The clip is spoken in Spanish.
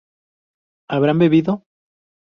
habrán bebido